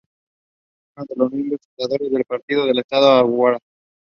The soundtrack of the film was composed by Sithara Krishnakumar and Mithun Jayaraj.